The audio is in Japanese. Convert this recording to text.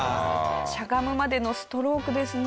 しゃがむまでのストロークですね。